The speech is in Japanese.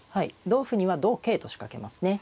同歩には同桂と仕掛けますね。